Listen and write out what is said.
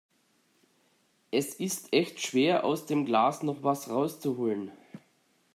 Es ist echt schwer aus dem Glas noch was rauszuholen